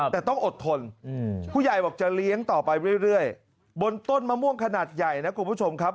แต่ต้องอดทนผู้ใหญ่บอกจะเลี้ยงต่อไปเรื่อยบนต้นมะม่วงขนาดใหญ่นะคุณผู้ชมครับ